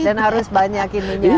dan harus banyak ininya